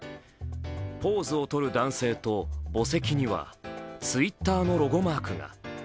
ポーズをとる男性と墓石にはＴｗｉｔｔｅｒのロゴマークが。